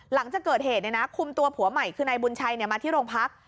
หลังจากเกิดเหตุคุมตัวผัวใหม่คือนายบุญชัยมาที่โรงพัก